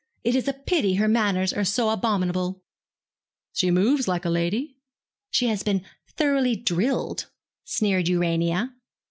It is a pity her manners are so abominable.' 'She moves like a lady.' 'She has been thoroughly drilled,' sneered Urania.